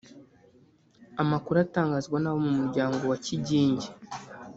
Amakuru atangazwa n’abo mu muryango wa Kigingi